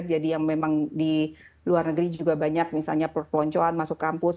jadi yang memang di luar negeri juga banyak misalnya peloncoan masuk kampus